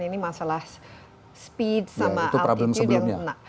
ini masalah speed sama altitude yang